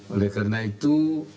oleh karena itu